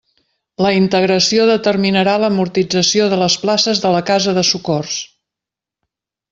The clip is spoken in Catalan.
La integració determinarà l'amortització de les places de Casa de Socors.